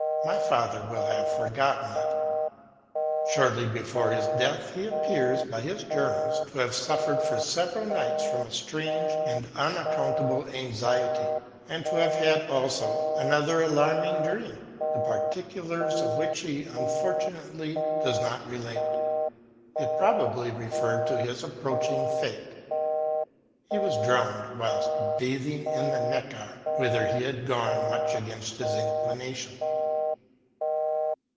My father will have forgotten it." Shortly before SECOND SIGHT. 85 his death, he appears, by his journal, to have suffered, for several nights, from a strange and unaccountable anxiety, and to have had, also, another alarming dream, the particulars of which he, unfortunately, does not relate. It probably referred to his ap proaching fate. He was drowned whilst bathing in the Neckar, whither he had gone much against his inclination.